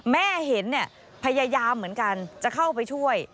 แม่เห็นเนี่ยพยายามเหมือนกันจะเข้าไปช่วย